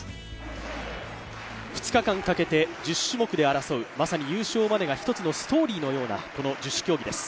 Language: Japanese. ２日間かけて１０種目で争う、まさに優勝までが一つのストーリーのようなこの十種競技です。